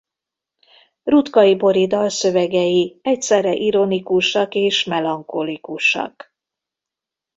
Rutkai Bori dalszövegei egyszerre ironikusak és melankolikusak.